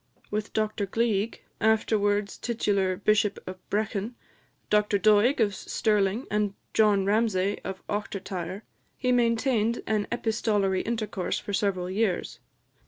With Dr Gleig, afterwards titular Bishop of Brechin, Dr Doig of Stirling, and John Ramsay of Ochtertyre, he maintained an epistolary intercourse for several years.